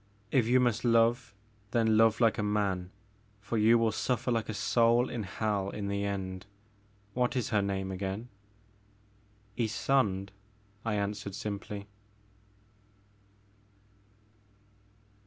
If you must love, then love like a man, for you will su£kr like a soul in hell, in the end. What is her name again?" '* Ysonde, I answered simply.